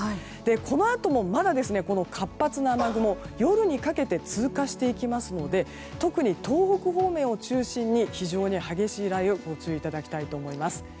このあとも、まだ活発な雨雲が夜にかけて通過していきますので特に東北方面を中心に非常に激しい雷雨ご注意いただきたいと思います。